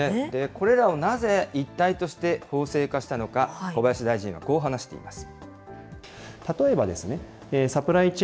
これらをなぜ一体として法制化したのか、小林大臣はこう話しています。